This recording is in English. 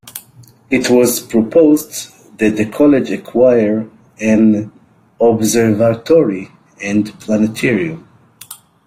It was proposed that the College acquire an observatory and planetarium.